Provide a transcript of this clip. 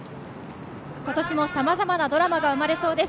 今年もさまざまなドラマが生まれそうです。